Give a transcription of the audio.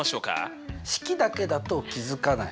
式だけだと気付かない。